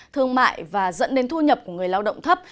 thương mại và dẫn đến thu nhập của người lao động thấp